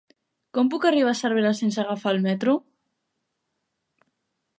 Com puc arribar a Cervera sense agafar el metro?